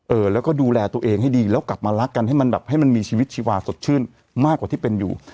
เออแล้วก็ดูแลตัวเองให้ดีแล้วกลับมารักกันให้มันแบบให้มันมีชีวิตชีวาสดชื่นมากกว่าที่เป็นอยู่